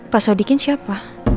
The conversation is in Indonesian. pak sodikin siapa